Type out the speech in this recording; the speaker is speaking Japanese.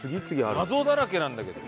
謎だらけなんだけど。